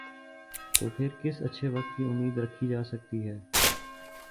، تو پھر کس اچھے وقت کی امید رکھی جا سکتی ہے ۔